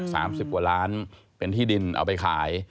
สิบกว่าล้านเป็นที่ดินเอาไปขาย